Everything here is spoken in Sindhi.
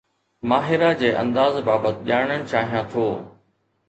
ماهرا جي انداز بابت ڄاڻڻ چاهيان ٿو